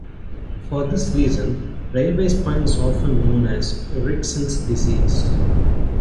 For this reason, railway spine is often known as "Erichsen's disease".